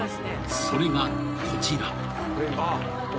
それがこちら］